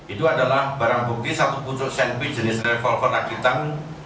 itu adalah barang bukti satu pucuk senpi jenis travelvan rakitan